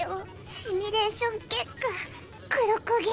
シミュレーション結果黒焦げ。